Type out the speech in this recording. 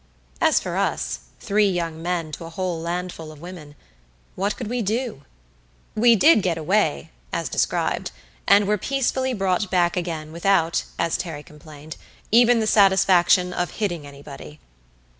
As for us three young men to a whole landful of women what could we do? We did get away, as described, and were peacefully brought back again without, as Terry complained, even the satisfaction of hitting anybody.